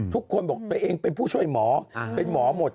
ทุกคนบอกตัวเองเป็นผู้ช่วยหมอเป็นหมอหมด